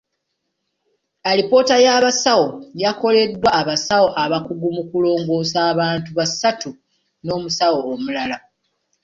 Alipoota y’abasawo yakoleddwa abasawo abakugu mu kulongoosa abantu basatu n'omusawo omulala.